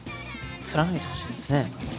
貫いてほしいですね本当に。